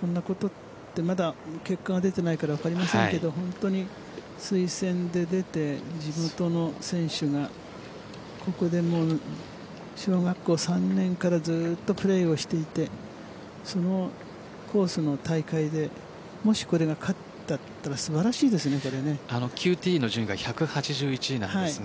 こんなことってまだ結果は出てないから分かりませんけど本当に推薦で出て地元の選手がここで小学校３年からずっとプレーをしていてそのコースの大会でもしこれが勝ったらＱＴの順位が１８１位なんですが。